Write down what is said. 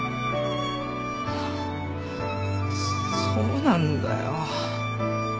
そうなんだよ。